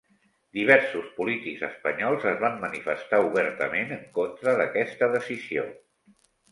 Diversos polítics espanyols es van manifestar obertament en contra d'aquesta decisió.